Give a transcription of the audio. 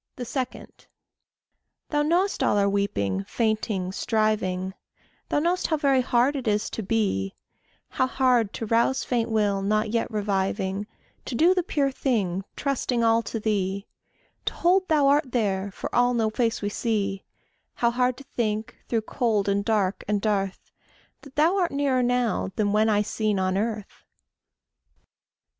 2. Thou knowest all our weeping, fainting, striving; Thou know'st how very hard it is to be; How hard to rouse faint will not yet reviving; To do the pure thing, trusting all to thee; To hold thou art there, for all no face we see; How hard to think, through cold and dark and dearth, That thou art nearer now than when eye seen on earth.